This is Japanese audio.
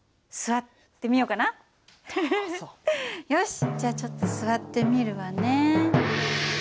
よしじゃあちょっと座ってみるわね。